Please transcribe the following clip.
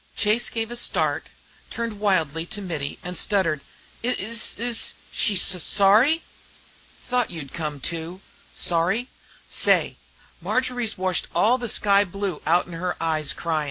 Chase gave a start, turned wildly to Mittie, and stuttered, "Is s s she s sorry?" "Tho't you'd come to. Sorry! Say, Marjory's washed all the sky blue out 'en her eyes cryin'.